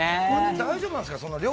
大丈夫なんですか？